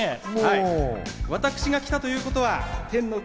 私が来たということは天の声